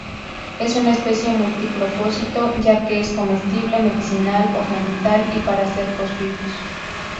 Es una especie multipropósito, ya que es comestible, medicinal, ornamental y para cercos vivos.